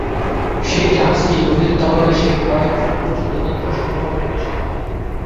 সেই জাহাজটি নদীর তলদেশের কয়েক ফুট পর্যন্ত তথ্য সংগ্রহ করতে সক্ষম।